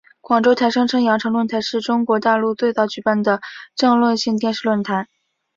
广州台声称羊城论坛是中国大陆最早举办的政论性电视论坛。